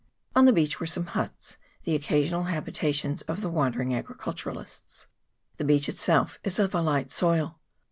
On the beach were some huts, the occasional habitations of the wandering agriculturists. The beach itself is of a light soil.